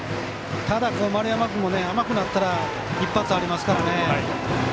ただ、丸山君も甘くなったら一発ありますからね。